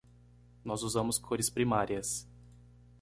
Nós usamos cores primárias.